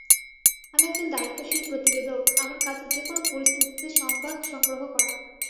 আমি একজন দায়িত্বশীল প্রতিবেদক, আমার কাজ যেকোনো পরিস্থিতিতে সংবাদ সংগ্রহ করা।